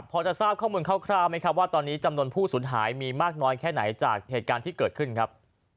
พอจะทราบข้อมูลคร่าวไหมครับว่าตอนนี้จำนวนผู้สูญหายมีมากน้อยแค่ไหนจากเหตุการณ์ที่เกิดขึ้นครับ